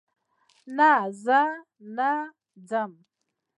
نه، زه نه ځم